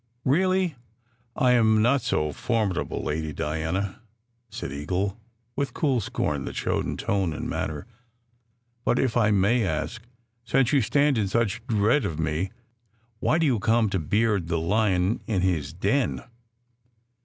"Really, I am not so very formidable, Lady Diana," said Eagle, with cool scorn that showed in tone and man ner. "But if I may ask since you stand in such dread of me, why do you come to beard the lion in his den?